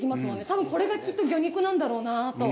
多分これがきっと魚肉なんだろうなと。